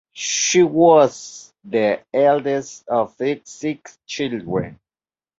She was the eldest of six children.